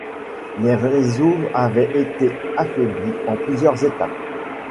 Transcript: Les réseaux avaient été affaiblis en plusieurs étapes.